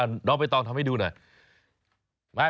น้องใบตองทำให้ดูหน่อย